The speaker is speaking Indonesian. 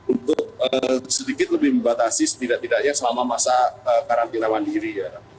untuk sedikit lebih membatasi setidak tidaknya selama masa karantina mandiri